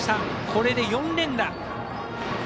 これで４連打。